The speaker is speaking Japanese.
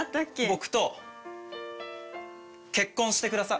「僕と結婚してくださ」